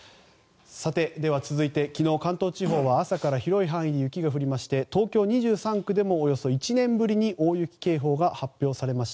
続いて、昨日、関東地方は朝から広い範囲に雪が降りまして東京２３区でもおよそ１年ぶりに大雪警報が発表されました。